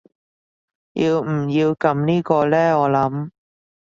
要唔要撳呢個呢我諗